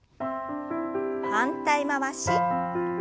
反対回し。